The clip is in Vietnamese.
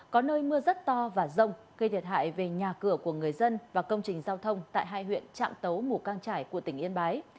có nơi mưa rất to và rông gây thiệt hại về nhà cửa của người dân và công trình giao thông tại hai huyện trạm tấu mù căng trải của tỉnh yên bái